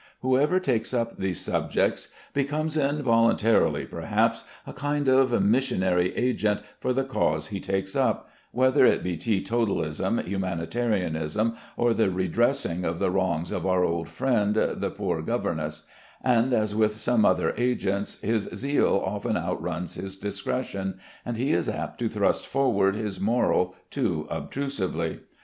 Whoever takes up these subjects becomes (involuntarily perhaps) a kind of missionary agent for the cause he takes up, whether it be teetotalism, humanitarianism, or the redressing of the wrongs of our old friend, the "poor governess"; and as with some other agents, his zeal often outruns his discretion, and he is apt to thrust forward his moral too obtrusively.